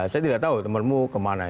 saya tidak tahu temanmu kemana